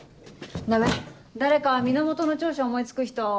ダメ誰か源の長所思い付く人。